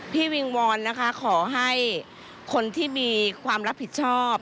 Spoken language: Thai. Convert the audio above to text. วิงวอนนะคะขอให้คนที่มีความรับผิดชอบ